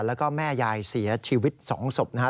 แล้วก็แม่ยายเสียชีวิต๒ศพนะฮะ